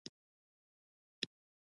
احمد زموږ د کور لاس او پښه دی.